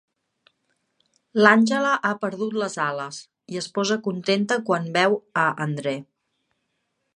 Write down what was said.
L'Àngela ha perdut les ales, i es posa contenta quan veu a Andre.